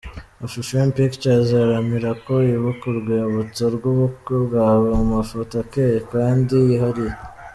Afrifame Pictures iharanira ko ubika urwibutso rw'ubukwe bwawe mu mafoto akeye kandi yihariye.